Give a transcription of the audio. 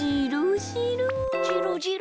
じろじろ。